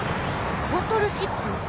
ボトルシップ？